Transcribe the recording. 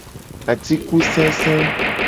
Atikusese.